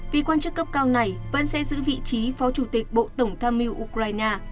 vì quan chức cấp cao này vẫn sẽ giữ vị trí phó chủ tịch bộ tổng tham mưu ukraine